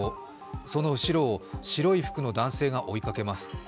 その後ろを白い服の男性が追いかけます。